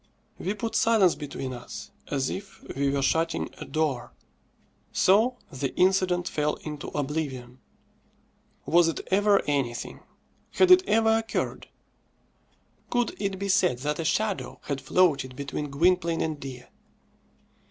We put silence between us, as if we were shutting a door. So the incident fell into oblivion. Was it ever anything? Had it ever occurred? Could it be said that a shadow had floated between Gwynplaine and Dea?